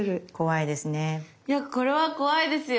いやこれは怖いですよ。